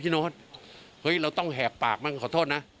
โน๊ตเฮ้ยเราต้องแหบปากมั้งขอโทษนะ